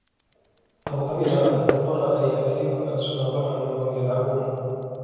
أَوَأَمِنَ أَهْلُ الْقُرَى أَنْ يَأْتِيَهُمْ بَأْسُنَا ضُحًى وَهُمْ يَلْعَبُونَ